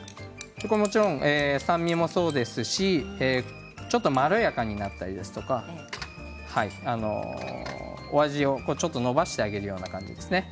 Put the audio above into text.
酸味もそうですしちょっと、まろやかになったりですとかお味をちょっと伸ばしてあげるような感じですね。